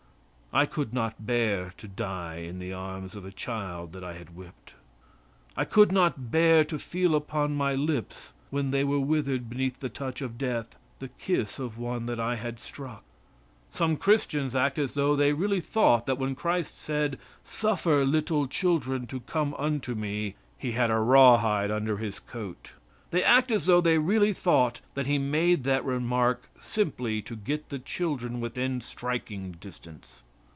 I could not bear to die in the arms of a child that I had whipped. I could not bear to feel upon my lips, when they were withered beneath the touch of death, the kiss of one that I had struck. Some Christians act as though they really thought that when Christ said, "Suffer little children to come unto me," He had a rawhide under His coat. They act as though they really thought that He made that remark simply to get the children within striking distance.